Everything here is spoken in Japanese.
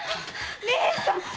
義姉さん。